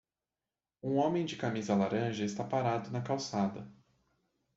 Um homem de camisa laranja está parado na calçada.